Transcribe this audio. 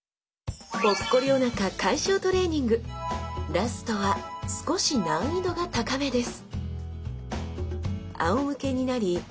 ラストは少し難易度が高めです